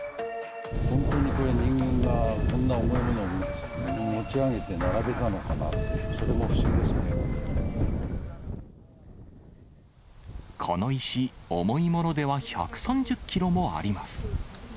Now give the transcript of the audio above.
本当にこれ、人間が、こんな重いものを持ち上げて並べたのかなって、この石、重いものでは１３０キロもあります。